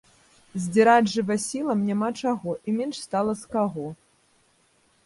Здзіраць жывасілам няма чаго і менш стала з каго.